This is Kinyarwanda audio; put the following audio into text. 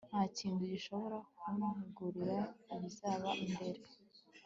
ntakintu gishobora kuntegurira ibizaba imbere